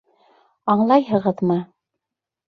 Аңлайһығыҙмы...